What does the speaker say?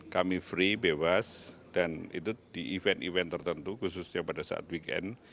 kami free bebas dan itu di event event tertentu khususnya pada saat weekend